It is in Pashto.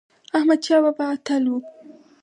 احمد شاه بابا اتل و